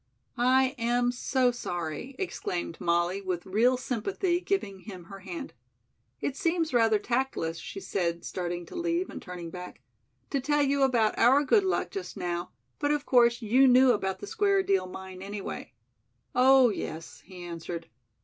"I am so sorry," exclaimed Molly with real sympathy, giving him her hand. "It seems rather tactless," she said starting to leave and turning back, "to tell you about our good luck just now, but of course you knew about the Square Deal. Mine, anyway." "Oh, yes," he answered.